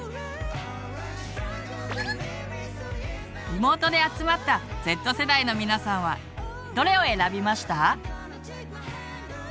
リモートで集まったＺ世代の皆さんはどれを選びました？